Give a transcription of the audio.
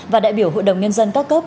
và đại biểu hội đồng nhân dân các cấp